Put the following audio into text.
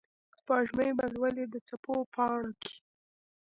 سپوږمۍ به لولي د څپو پاڼو کې